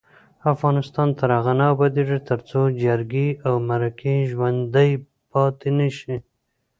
افغانستان تر هغو نه ابادیږي، ترڅو جرګې او مرکې ژوڼدۍ پاتې نشي.